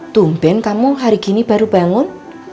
tumpen kamu hari ini baru bangun